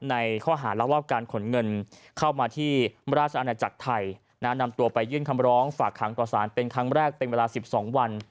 ในข้อหารักรอบการขนเงินเข้ามาที่ราชอาณาจักรไทยนำตัวไปยื่นคำร้องฝากขังต่อสารเป็นครั้งแรกเป็นเวลา๑๒วัน